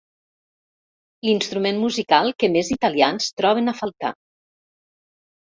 L'instrument musical que més italians troben a faltar.